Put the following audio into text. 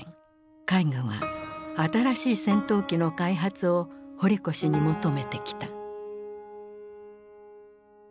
海軍は新しい戦闘機の開発を堀越に求めてきた。